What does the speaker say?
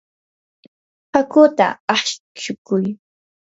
hakuta aqshukuy.